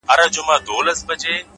گراني رڼا مه كوه مړ به مي كړې؛